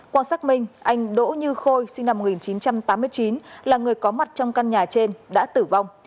qua xác minh anh đỗ như khôi sinh năm một nghìn chín trăm tám mươi chín là người có mặt trong căn nhà trên đã tử vong